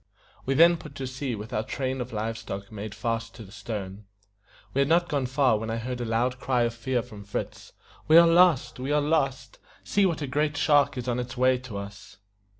We then put to sea with our train of live stock made fast to the stern. We had not gone far when I heard a loud cry of fear from Fritz, "We are lost! We are lost! See what a great shark is on its way to us!"